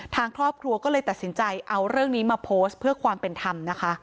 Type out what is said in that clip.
ทางครอบครัวก็เลยตัดสินใจเอาเรื่องนี้มาโพสต์เพื่อความเป็นธรรมนะคะ